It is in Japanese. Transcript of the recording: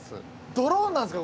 ドローンなんですか？